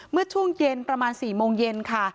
เมื่อช่วงเย็นประมาณ๔โมงเย็นค่ะ